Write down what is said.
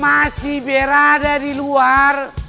masih berada di luar